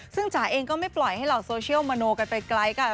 ซึ่งจ๋าเองก็ไม่ปล่อยให้เหล่าโซเชียลมโนกันไปไกลค่ะ